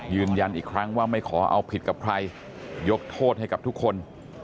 ยืนยันอีกครั้งว่าไม่ขอเอาผิดกับใครยกโทษให้กับทุกคน